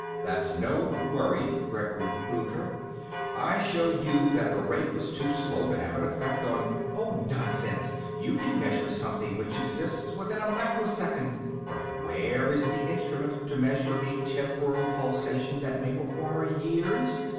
"That's no worry," Gregory reproved her. "I showed you that the rate was too slow to have an effect on...." "Oh, nonsense; you can measure something which exists within a microsecond, but where is the instrument to measure a temporal pulsation that may require years...?